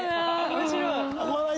面白い。